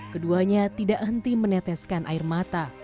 keduanya tidak henti meneteskan air mata